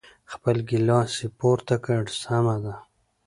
خپل ګیلاس یې پورته کړ، سمه ده.